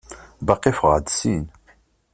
Baqi ffɣeɣ-d syin.